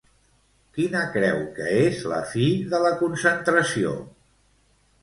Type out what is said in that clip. Quina creu que és la fi de la concentració?